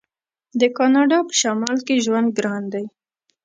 د کاناډا په شمال کې ژوند ګران دی.